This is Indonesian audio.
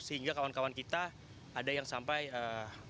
sehingga kawan kawan kita ada yang sampai ee